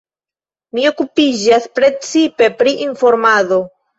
Li okupiĝas precipe pri informado.